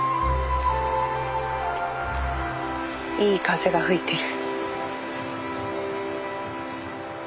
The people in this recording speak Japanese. いい風が吹いてる。